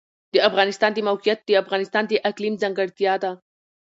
د افغانستان د موقعیت د افغانستان د اقلیم ځانګړتیا ده.